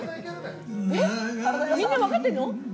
え、みんな分かってるの？